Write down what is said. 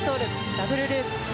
ダブルループ。